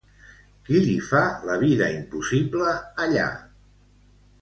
Qui li fa la vida impossible, allà?